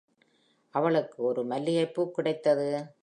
அவளுக்கு ஒரு மல்லிகைப்பூ கிடைத்தது.